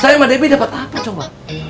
saya mbak debbie dapat apa coba